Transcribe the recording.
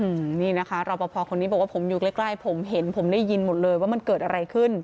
อืมนี่นะคะรอปภคนนี้บอกว่าผมอยู่ใกล้ใกล้ผมเห็นผมได้ยินหมดเลยว่ามันเกิดอะไรขึ้น